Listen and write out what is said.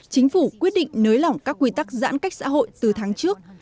chính phủ quyết định nới lỏng các quy tắc giãn cách xã hội từ tháng trước